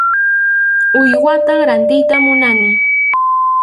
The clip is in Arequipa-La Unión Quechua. Uywatam rantiyta munani.